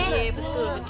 iya betul betul